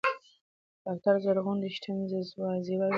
ډاکټره زرغونه ریښتین زېور وايي، فرهنګي ډګر د شوروي ځواکونو راتګ سره ښه و.